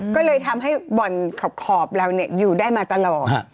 ก็เลยทำให้บ่อนขอบเราอยู่ได้มาตลอด